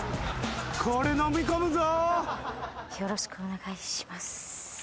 これのみ込むぞ！